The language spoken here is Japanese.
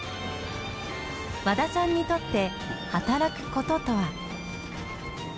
和田さんにとって働くこととは。